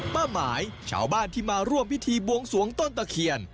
ป้าหมายชาวบ้านที่มาร่วมพิธีบวงสวงต้นตะเคียน